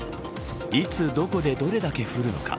いつどこで、どれだけ降るのか。